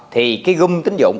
thì cái gung tính dụng